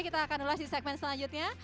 kita akan ulas di segmen selanjutnya